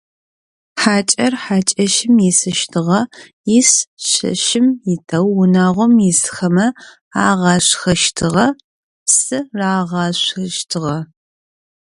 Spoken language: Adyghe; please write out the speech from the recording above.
Хьакӏэр хьакӏэщым исыщтыгъэ, иш шэщым итэу унагъом исхэмэ агъашхэщтыгъэ, псы рагъашъощтыгъэ.